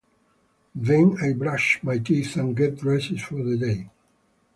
Then I brush my teeth and get dressed for the day.